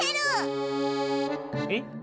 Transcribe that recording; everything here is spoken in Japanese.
えっ？